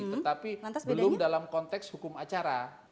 tetapi belum dalam konteks hukum acara